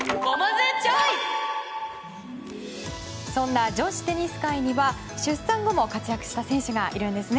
そんな女子テニス界には出産後も活躍した選手がいるんですね。